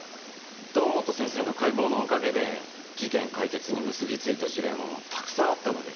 堂本先生の解剖のおかげで事件解決に結びついた事例もたくさんあったので。